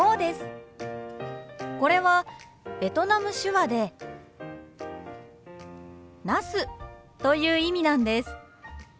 これはベトナム手話でナスという意味なんです。